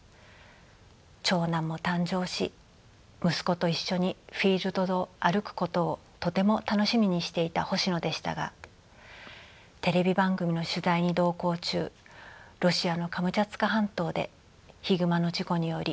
長男も誕生し息子と一緒にフィールドを歩くことをとても楽しみにしていた星野でしたがテレビ番組の取材に同行中ロシアのカムチャツカ半島でヒグマの事故により急逝しました。